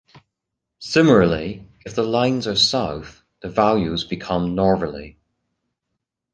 Similarly, if the lines are south, the values become northerly.